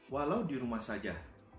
walau di rumah saja